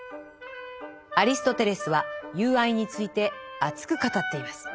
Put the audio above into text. アリストテレスは「友愛」について熱く語っています。